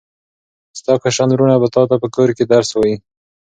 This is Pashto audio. ستا کشران وروڼه به تاته په کور کې درس ووایي.